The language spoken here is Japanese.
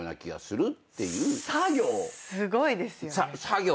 すごいですよね。